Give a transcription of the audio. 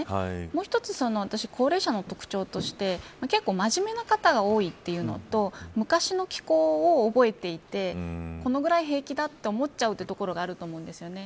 もう一つ私、高齢者の特徴として結構、真面目な方が多いというのと昔の気候を覚えていてこのぐらい平気だと思っちゃうところがあると思うんです。